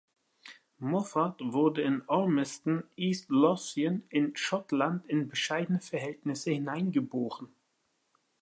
Moffat wurde in Ormiston, East Lothian, in Schottland in bescheidene Verhältnisse hineingeboren.